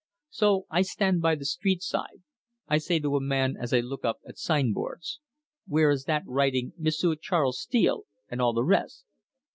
So I stand by the streetside. I say to a man as I look up at sign boards,' 'Where is that writing "M'sieu' Charles Steele," and all the res'?